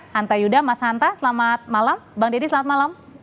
hanta yuda mas hanta selamat malam bang deddy selamat malam